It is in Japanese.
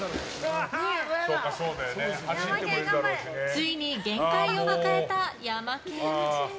ついに限界を迎えたヤマケン。